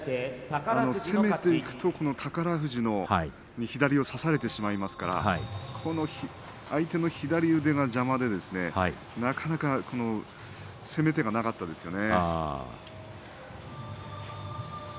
攻めていくと宝富士に左を差されてしまいますから相手の左腕が邪魔でなかなか攻め手がなかったですね。